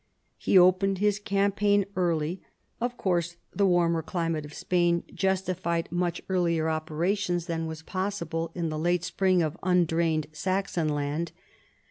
He opened his cam paign early : of course the warmer climate of Spain 13 19 J: CHARLEMAGNE. justified much earlier operations than were possible in the late spring of undrained Saxon land.